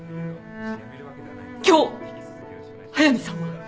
今日速見さんは？